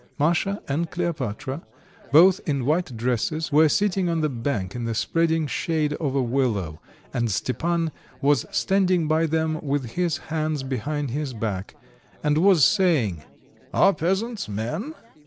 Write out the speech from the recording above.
Masha and Kleopatra, both in white dresses, were sitting on the bank in the spreading shade of a willow, and Stepan was standing by them with his hands behind his back, and was saying: "Are peasants men?